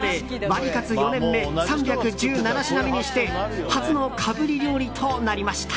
ということで、ワリカツ４年目３１７品目にして初のかぶり料理となりました。